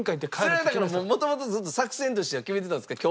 それはだからもう元々ずっと作戦としては決めてたんですか？